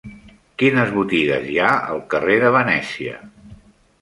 Quines botigues hi ha al carrer de Venècia?